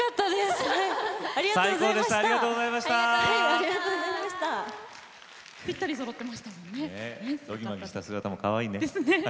どぎまぎした姿もかわいいね。